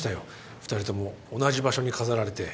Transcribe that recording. ２人とも同じ場所に飾られて。